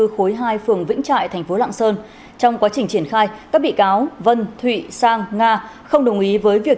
khối hai phường vĩnh trại thành phố lạng sơn trong quá trình triển khai các bị cáo vân thụy sang nga không đồng ý với việc